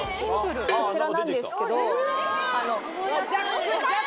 こちらなんですけど。